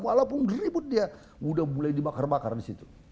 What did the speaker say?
walaupun ribut dia udah mulai dibakar bakar di situ